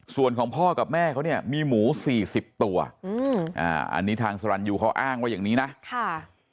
ส่วนของพ่อกับแม่เขาเนี่ยมีหมู่๔๐ตัวอันนี้ทางสรรยุเขาอ้างว่าอย่างนี้นะ